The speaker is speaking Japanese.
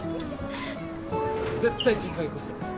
絶対次回こそ。